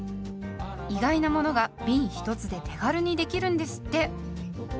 意外なものがびん１つで手軽にできるんですって。